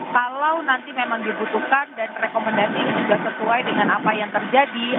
kalau nanti memang dibutuhkan dan rekomendasi ini juga sesuai dengan apa yang terjadi